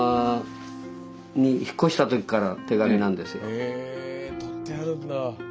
へ取ってあるんだ。